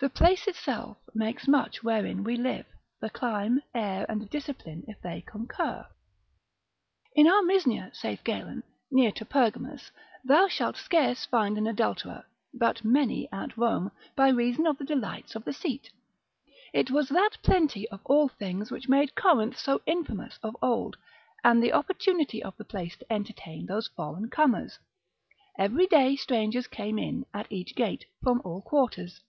The place itself makes much wherein we live, the clime, air, and discipline if they concur. In our Misnia, saith Galen, near to Pergamus, thou shalt scarce find an adulterer, but many at Rome, by reason of the delights of the seat. It was that plenty of all things, which made Corinth so infamous of old, and the opportunity of the place to entertain those foreign comers; every day strangers came in, at each gate, from all quarters.